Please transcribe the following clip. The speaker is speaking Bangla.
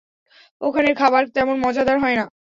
ওখানের খাবার তেমন মজাদার হয় না।